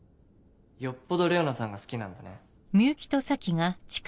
よっぽどレオナさんが好きなんだね。